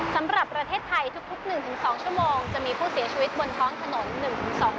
สำหรับประเทศไทยทุก๑๒ชั่วโมงจะมีผู้เสียชีวิตบนท้องถนน๑๒คน